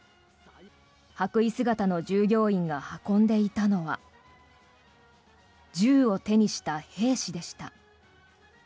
白衣姿の従業員が運んでいたのは銃を手にした兵士でした。